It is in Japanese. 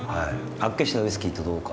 厚岸のウイスキーとどうか。